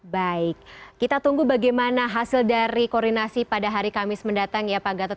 baik kita tunggu bagaimana hasil dari koordinasi pada hari kamis mendatang ya pak gatot